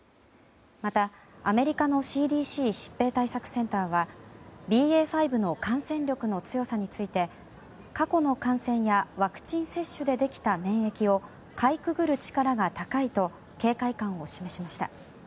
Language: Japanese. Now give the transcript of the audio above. またアメリカのＣＤＣ・疾病対策センターはＢＡ．５の感染力の強さについて過去の感染やワクチン接種でできた免疫をかいくぐる力が高いと警戒感を示しました。